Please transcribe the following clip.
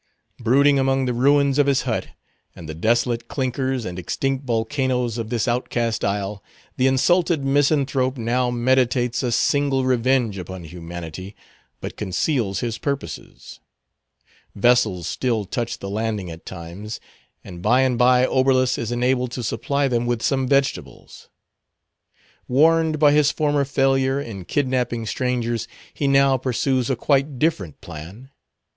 Brooding among the ruins of his hut, and the desolate clinkers and extinct volcanoes of this outcast isle, the insulted misanthrope now meditates a signal revenge upon humanity, but conceals his purposes. Vessels still touch the Landing at times; and by and by Oberlus is enabled to supply them with some vegetables. Warned by his former failure in kidnapping strangers, he now pursues a quite different plan.